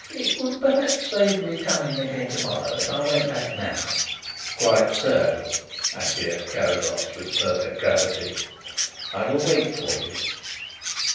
It would perhaps save me coming again to morrow if I went back now " "Quite so," acquiesced Carrados, with perfect gravity. "I will wait for you."